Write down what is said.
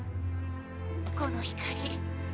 この光！